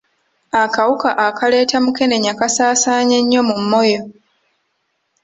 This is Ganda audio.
Akawuka akaleeta mukenenya kasaasaanye nnyo mu Moyo.